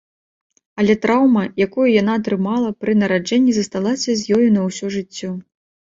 Але траўма, якую яна атрымала пры нараджэнні, засталася з ёю на ўсё жыццё.